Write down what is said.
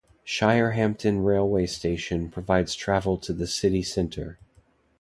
Shirehampton railway station provides travel to the city centre.